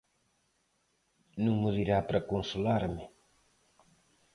_¿Non mo dirá para consolarme?